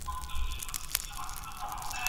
هغه د ويالې غاړې ته لاړ.